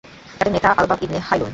তাদের নেতা ছিলেন আলবাব ইবন হাইলূন।